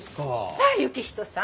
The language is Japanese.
さあ行人さん